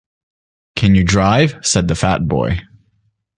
‘Can you drive?’ said the fat boy.